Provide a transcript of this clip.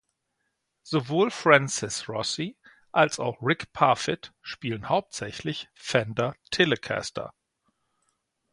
Sowohl Francis Rossi als auch Rick Parfitt spielen hauptsächlich Fender Telecaster.